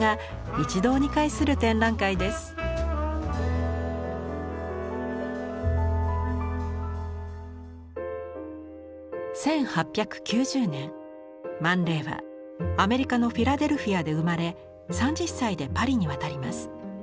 １８９０年マン・レイはアメリカのフィラデルフィアで生まれ３０歳でパリに渡ります。